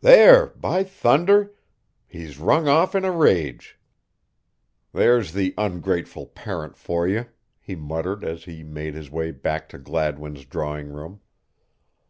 "There, by thunder! He's rung off in a rage." "There's the ungrateful parent for you!" he muttered as he made his way back to Gladwin's drawing room.